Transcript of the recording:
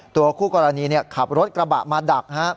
คู่กรณีขับรถกระบะมาดัก